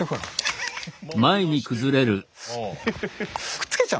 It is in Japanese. くっつけちゃう？